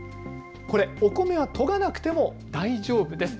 お米はとがなくても大丈夫です。